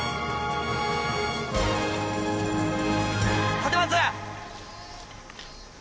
立松！